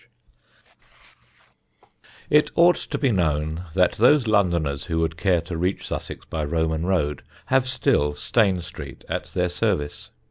[Sidenote: LONDON TO CHICHESTER] It ought to be known that those Londoners who would care to reach Sussex by Roman road have still Stane Street at their service.